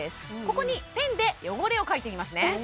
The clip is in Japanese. ここにペンで汚れを書いてみますね